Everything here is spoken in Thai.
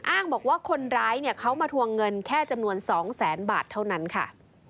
อ้างบอกว่าคนร้ายเขามาทวงเงินแค่จำนวน๒แสนบาทเท่านั้นค่ะ